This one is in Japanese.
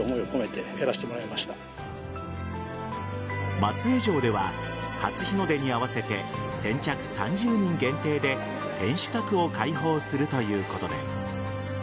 松江城では初日の出に合わせて先着３０人限定で天守閣を開放するということです。